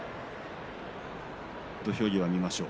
土俵際、見ましょう。